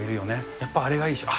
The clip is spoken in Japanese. やっぱあれがいいでしょう。